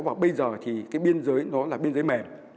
và bây giờ thì cái biên giới nó là biên giới mềm